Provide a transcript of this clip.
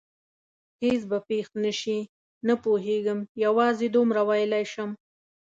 هېڅ به پېښ نه شي؟ نه پوهېږم، یوازې دومره ویلای شم.